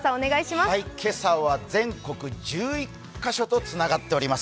今朝は全国１１カ所とつながっております。